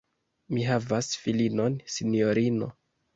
Mi havas filinon, sinjorino!